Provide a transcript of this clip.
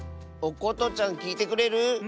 おことちゃんきいてくれる？